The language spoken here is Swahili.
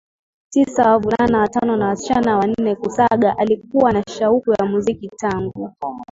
tisa wavulana watano na wasichana wanne Kusaga alikuwa na shauku ya muziki tangu